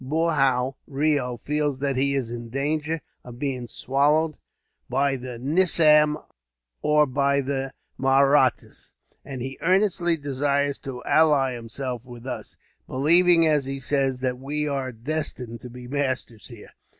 Boorhau Reo feels that he is in danger of being swallowed, by the nizam or by the Mahrattas, and he earnestly desires to ally himself with us; believing, as he says, that we are destined to be masters here.